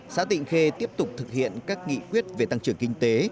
xã tịnh khê tiếp tục thực hiện các nghị quyết về tăng trưởng kinh tế